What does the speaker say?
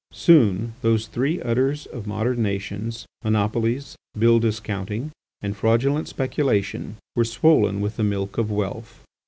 Soon those three udders of modern nations, monopolies, bill discounting, and fraudulent speculation, were swollen with the milk of wealth.